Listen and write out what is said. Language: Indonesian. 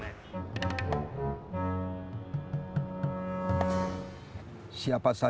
berhasilorta itu memungkinkan saya